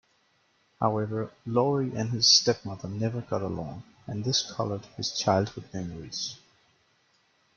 However, Lorre and his stepmother never got along, and this colored his childhood memories.